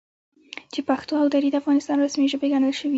چې پښتو او دري د افغانستان رسمي ژبې ګڼل شوي دي،